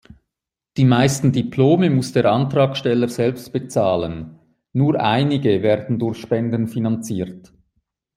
Die meisten Diplome muss der Antragsteller selbst bezahlen, nur einige werden durch Spenden finanziert.